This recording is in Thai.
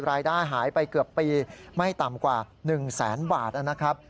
รายได้หายไปเกือบปีไม่ต่ำกว่า๑แสนบาทนะครับ